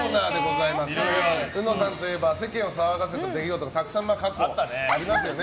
うのさんといえば世間を騒がせた出来事がたくさん過去ありますよね。